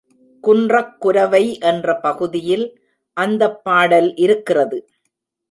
குன்றக் குரவை என்ற பகுதியில் அந்தப் பாடல் இருக்கிறது.